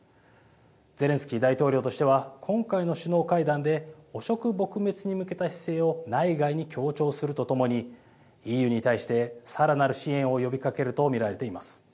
ゼレンスキー大統領としては今回の首脳会談で汚職撲滅に向けた姿勢を内外に強調するとともにＥＵに対してさらなる支援を呼びかけると見られています。